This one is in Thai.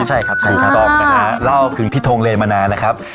ใช่ครับถูกตอบนะคะเราคือพี่ทงเลมานานนะครับ